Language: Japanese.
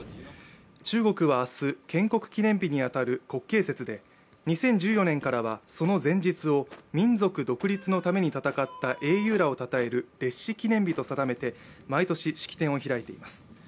中国は明日、建国記念日に当たる国慶節で、２０１４年からはその前日を民族独立のために戦った英雄らをたたえる烈士記念日と定めて毎年式典を開いています。